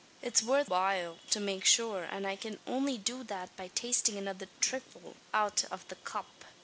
It's worth while to make shure, an I can only do that by tastin' another thrifle out av the cup.